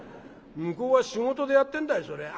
向こうは仕事でやってんだいそりゃ」。